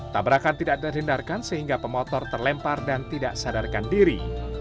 tabrakan tidak terhindarkan sehingga pemotor terlempar dan tidak sadarkan diri